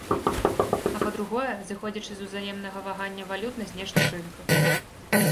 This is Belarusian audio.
А па-другое, зыходзячы з узаемнага вагання валют на знешніх рынках.